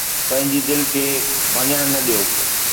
پنهنجي دل کي ڀڄڻ نه ڏيو